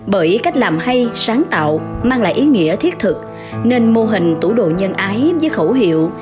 bởi cách làm hay sáng tạo mang lại ý nghĩa thiết thực nên mô hình tủ đồ nhân ái với khẩu hiệu